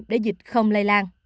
để dịch không lây lan